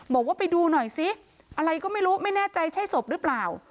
บอกว่าไปดูหน่อยซิอะไรก็ไม่รู้ไม่แน่ใจใช่ศพหรือเปล่า